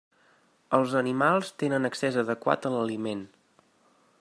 Els animals tenen accés adequat a l'aliment.